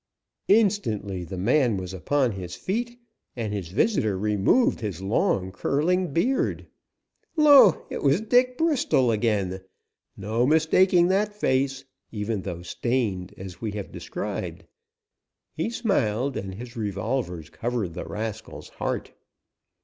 Instantly the man was upon his feet, and his visitor removed his long, curling beard. Lo! it was Dick Bristol again! No mistaking that face, even though stained, as we have described. He smiled, and his revolvers covered the rascal's heart.